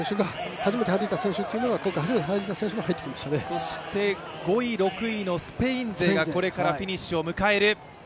そして５位、６位のスペイン勢がこれからフィニッシュを迎える。